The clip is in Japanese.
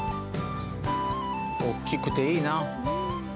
おっきくていいな。